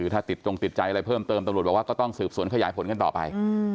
ถ้าติดจงติดใจอะไรเพิ่มเติมตำรวจบอกว่าก็ต้องสืบสวนขยายผลกันต่อไป